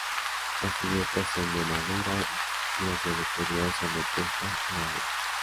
Las cubiertas son de madera y hacia el exterior son de teja árabe.